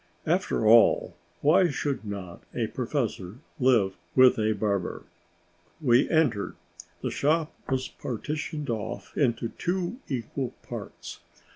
After all, why should not a professor live with a barber? We entered. The shop was partitioned off into two equal parts.